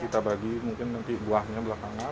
kita bagi mungkin nanti buahnya belakangan